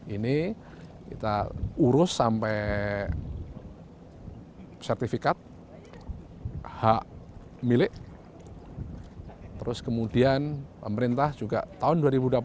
ini kita urus sampai sertifikat hak milik terus kemudian pemerintah juga tahun dua ribu dua puluh